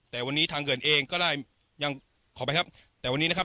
แต่วันนี้ทางเขื่อนเองก็ได้ยังขอไปครับแต่วันนี้นะครับ